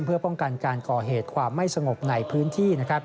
เพื่อป้องกันการก่อเหตุความไม่สงบในพื้นที่